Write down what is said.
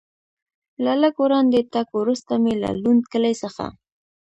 له لږ وړاندې تګ وروسته مې له لوند کلي څخه.